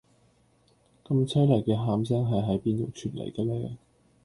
咁淒厲既喊聲係喺邊度傳黎嘅呢